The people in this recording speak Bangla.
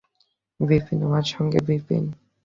বিপিন, তোমার সঙ্গে– বিপিন।